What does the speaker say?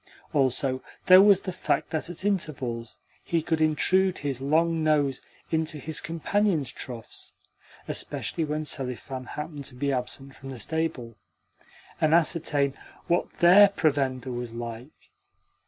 Also, there was the fact that at intervals he could intrude his long nose into his companions' troughs (especially when Selifan happened to be absent from the stable) and ascertain what THEIR provender was like.